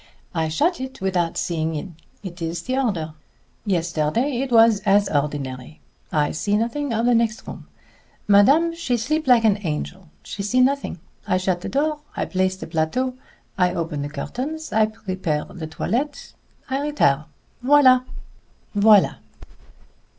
I shut it without seeing in. It is the order. Yesterday it was as ordinary. I see nothing of the next room. Madame sleep like an angel she see nothing. I shut the door. I place the plateau I open the curtains I prepare the toilette I retire voilà!"